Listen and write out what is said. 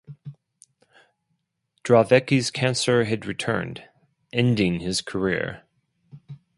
Dravecky's cancer had returned, ending his career.